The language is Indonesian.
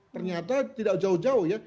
ternyata tidak jauh jauh ya